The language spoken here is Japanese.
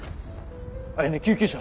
あやね救急車！